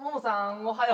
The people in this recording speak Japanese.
おはよう。